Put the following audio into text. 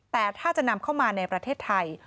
แต่ถ้าจะนำเข้ามาในประเทศไทย